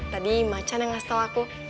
tadi macan yang ngasih tahu aku